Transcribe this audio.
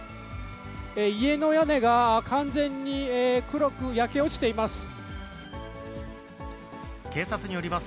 家の屋根が完全に黒く焼け落ちています。